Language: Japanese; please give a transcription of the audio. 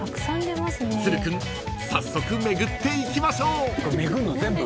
［都留君早速巡っていきましょう］